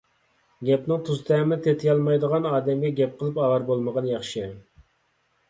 گەپنىڭ تۇز تەمىنى تېتىيالمايدىغان ئادەمگە گەپ قىلىپ ئاۋارە بولمىغان ياخشى.